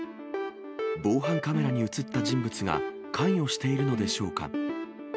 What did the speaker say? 防犯カメラに写った人物が関与しているのでしょうか。